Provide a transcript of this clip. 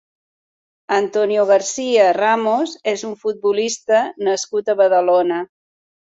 Antonio García Ramos és un futbolista nascut a Badalona.